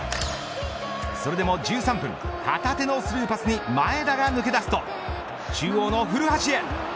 それでも１３分旗手のスルーパスに前田が抜け出すと中央の古橋へ。